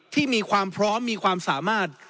ที่มีความพร้อมมีความสามารถ